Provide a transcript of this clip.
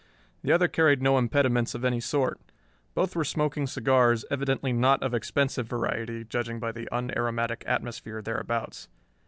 The other carried no impediments of any sort. Both were smoking cigars, evidently not of expensive variety, judging by the unaromatic atmosphere thereabouts.